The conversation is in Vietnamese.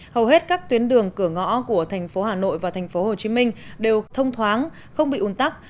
hầu hết các tuyến đường cửa ngõ của thành phố hà nội và thành phố hồ chí minh đều thông thoáng không bị ủn tắc